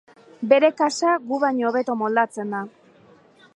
Bere kasa gu baino hobeto moldatzen da.